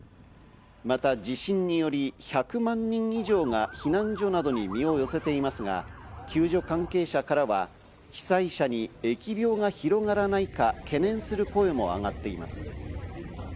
また地震により１００万人以上が避難所などに身を寄せていますが、救助関係者からは、被災者に疫病が広がらないか懸念する声もあがっています。